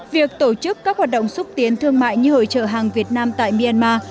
việc tổ chức các hoạt động xúc tiến thương mại như hội trợ hàng việt nam tại myanmar